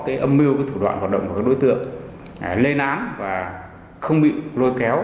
âm mưu của thủ đoạn hoạt động của các đối tượng lê nán và không bị rôi kéo